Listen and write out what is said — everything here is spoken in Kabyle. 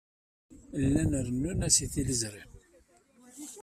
Llan rennun-as i tliẓri.